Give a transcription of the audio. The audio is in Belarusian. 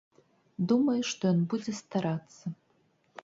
Думаю, што ён будзе старацца.